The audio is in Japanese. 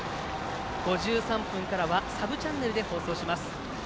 ５３分からはサブチャンネルで放送します。